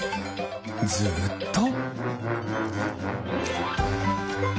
ずっと。